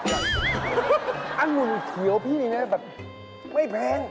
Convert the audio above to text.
องุ่นเขียวพี่นะแบบไม่แพง